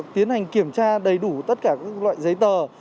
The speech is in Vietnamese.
tiến hành kiểm tra đầy đủ tất cả các loại giấy tờ